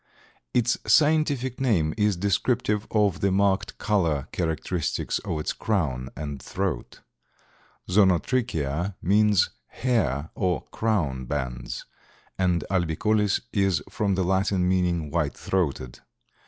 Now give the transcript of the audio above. Its scientific name is descriptive of the marked color characteristics of its crown and throat. Zonotrichia means hair or crown bands, and albicollis is from the Latin meaning white throated.